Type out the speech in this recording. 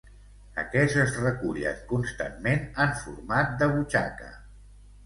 Aquests es recullen constantment en format de butxaca.